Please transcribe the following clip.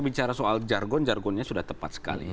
bicara soal jargon jargonnya sudah tepat sekali